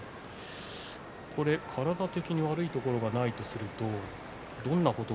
体的に悪いところがないとするとどんなことが？